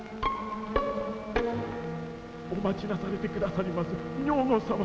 お待ちなされてくださりませ女御様。